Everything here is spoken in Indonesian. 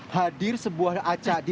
hadir sebuah acara